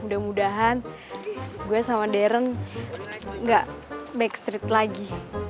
mudah mudahan gue sama deren ga backstreet lagi